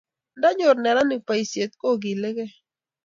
nda nyor neranik boishet ko kiligei